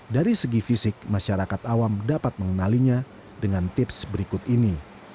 dari segi fisik masyarakat awam dapat mengenalinya dengan tips berikut ini